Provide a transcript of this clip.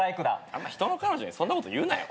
あんま人の彼女にそんなこと言うなよ。